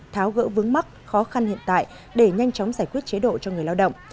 tháo gỡ vướng mắc khó khăn hiện tại để nhanh chóng giải quyết chế độ cho người lao động